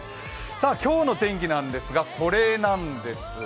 今日の天気なんですがこれなんです。